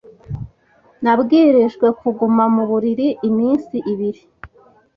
Nabwirijwe kuguma mu buriri iminsi ibiri.